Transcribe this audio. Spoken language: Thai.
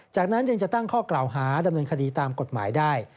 จากนั้นจึงจะตั้งข้อกล่าวหาดำเนินคดีตามกฎหมายได้